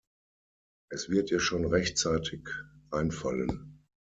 Es wird ihr schon rechtzeitig einfallen.